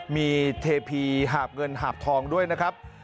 มีเทพีหาบเงินหาบทองด้วยนะครับ